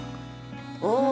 うん。